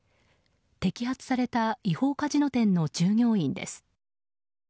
摘発された違法カジノ店の従業員です。